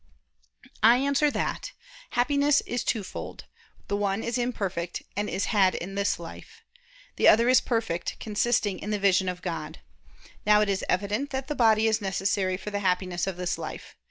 I answer that, Happiness is twofold; the one is imperfect and is had in this life; the other is perfect, consisting in the vision of God. Now it is evident that the body is necessary for the happiness of this life.